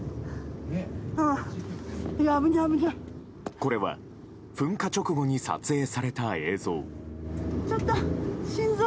これは噴火直後に撮影された映像。